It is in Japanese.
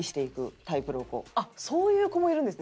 あっそういう子もいるんですね。